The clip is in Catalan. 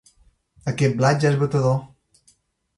Aquest blat ja és batedor.